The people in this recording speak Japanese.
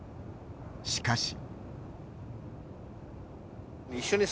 しかし。